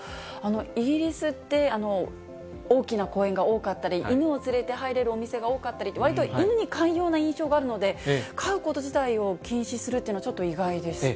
イギリスって大きな公園が多かったり、犬を連れて入れるお店が多かったりと、犬に寛容な印象があるので、飼うこと自体を禁止するっていうのは、ちょっと意外でした。